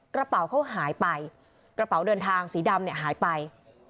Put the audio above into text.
กระเป๋าเขาหายไปกระเป๋าเดินทางสีดำเนี่ยหายไป